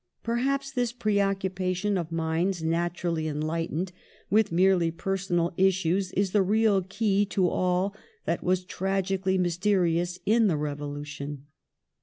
Perhaps this preoccupation of minds, naturally enlight ened, with merely personal issues is the real key to all that was tragically mysterious in the Rev olution.